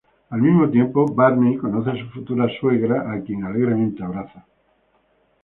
Al mismo tiempo Barney conoce a su futura suegra a quien alegremente abraza.